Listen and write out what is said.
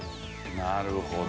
なるほど。